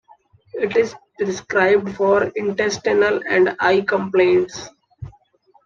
It is prescribed for intestinal and eye complaints.